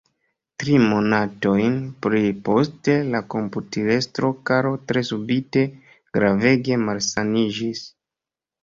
Tri monatojn pri poste la komputilestro Karlo tre subite gravege malsaniĝis.